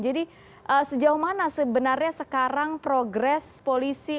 jadi sejauh mana sebenarnya sekarang progres polisi